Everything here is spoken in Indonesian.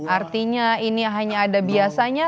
artinya ini hanya ada biasanya